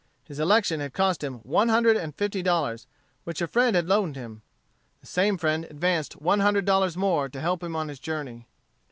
His election had cost him one hundred and fifty dollars, which a friend had loaned him. The same friend advanced one hundred dollars more to help him on his journey.